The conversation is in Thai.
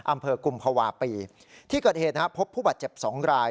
อำเภอกุมภาวะปีที่เกิดเหตุนะครับพบผู้บาดเจ็บ๒ราย